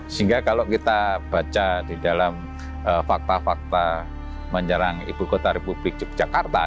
sehingga kalau kita baca di dalam fakta fakta menyerang ibu kota republik yogyakarta